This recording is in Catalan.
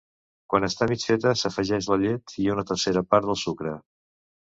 Quan està mig feta s'afegeix la llet i una tercera part del sucre.